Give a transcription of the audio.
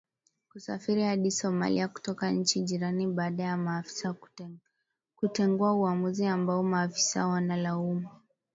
kusafiri hadi Somalia kutoka nchi jirani baada ya maafisa kutengua uamuzi ambao maafisa wanalaumu